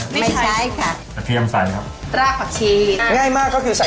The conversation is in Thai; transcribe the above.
สติดสิ่งที่เธอร่วมให้พฤษพวกเราคุย